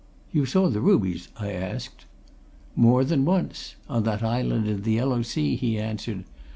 "You saw the rubies?" I asked. "More than once on that island in the Yellow Sea," he answered.